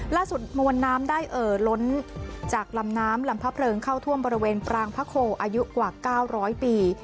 มวลน้ำได้เอ่อล้นจากลำน้ำลำพะเพลิงเข้าท่วมบริเวณปรางพระโคอายุกว่า๙๐๐ปี